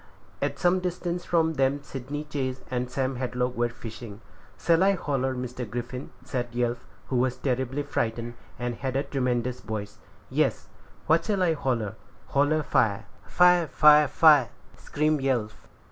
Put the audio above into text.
At some distance from them Sydney Chase and Sam Hadlock were fishing. "Shall I holler, Mr. Griffin?" said Yelf, who was terribly frightened, and had a tremendous voice. "Yes." "What shall I holler?" "Holler fire." "Fire! fire! fire!" screamed Yelf.